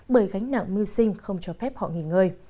bởi gánh nặng mưu sinh không cho phép họ nghỉ ngơi